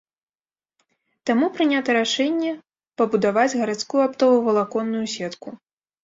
Таму прынята рашэнне пабудаваць гарадскую аптова-валаконную сетку.